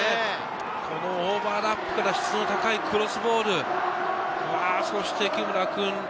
このオーバーラップから質の高いクロスボール、そして木村君。